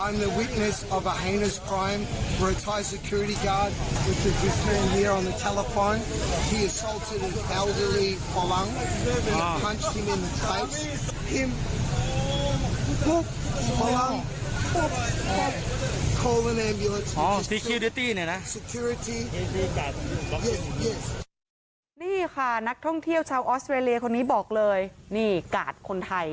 นี่ค่ะนักท่องเที่ยวชาวออสเตรเลียคนนี้บอกเลยนี่กาดคนไทย